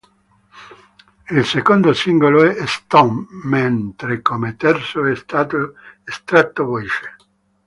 Il secondo singolo è "Stone", mentre come terzo è stato estratto "Voices".